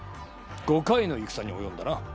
５回の戦におよんだな。